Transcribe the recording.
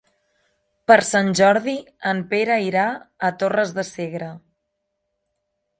Per Sant Jordi en Pere irà a Torres de Segre.